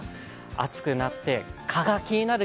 暑くなって蚊が気になる